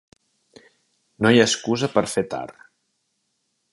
No hi ha excusa per fer tard.